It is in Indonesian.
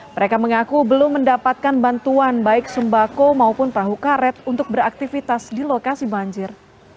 mereka mengaku belum mendapatkan bantuan baik sembako maupun perahu karet untuk beraktivitas di lokasi banjir